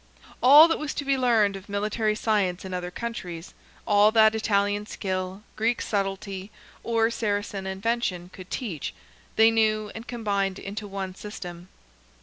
All that was to be learned of military science in other countries—all that Italian skill, Greek subtlety, or Saracen invention could teach, they knew and combined into one system.